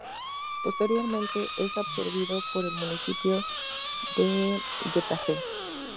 Posteriormente es absorbido por el municipio de Getafe.